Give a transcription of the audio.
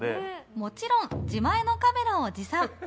もちろん自前のカメラを持参。